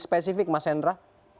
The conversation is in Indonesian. spesifik mas hendra